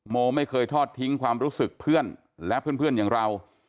โมไม่เคยทอดทิ้งความรู้สึกเพื่อนและเพื่อนอย่างเรา